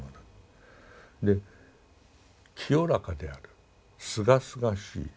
で清らかであるすがすがしい